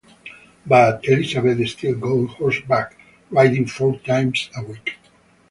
But Elisabeth still goes horseback riding four times a week.